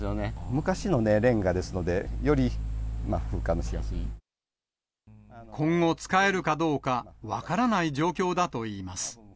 昔のね、レンガですので、今後、使えるかどうか分からない状況だといいます。